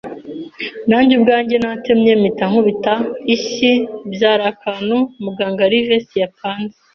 Nanjye ubwanjye natemye mpita nkubita inshyi byari akantu. Muganga Livesey yapanze